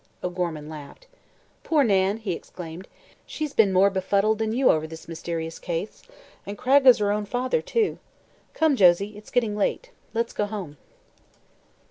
O'Gorman laughed. "Poor Nan!" he exclaimed. "She's been more befuddled than you over this mysterious case. And Cragg is her own father, too. Come, Josie, it's getting late; let's go home."